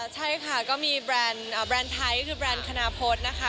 ใช่ค่ะก็มีแบรนด์ไทยก็คือแบรนด์คณาพฤษนะคะ